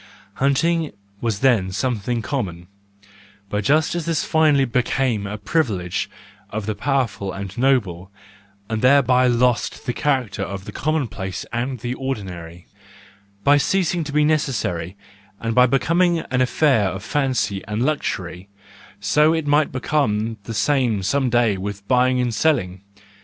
Hunting was then something common : but just as this finally became a privilege of the powerful and noble, and thereby lost the character of the commonplace and the ordinary— by ceasing to be necessary and by becoming an affair of fancy and luxury:—so it might become the same some day with buying and selling.